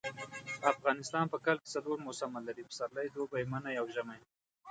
افغانستان په کال کي څلور موسمه لري . پسرلی دوبی منی او ژمی